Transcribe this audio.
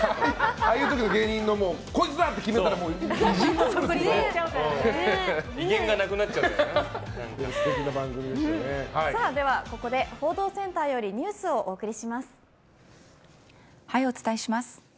ああいうときの芸人のこいつだって決めたらここで報道センターよりお伝えします。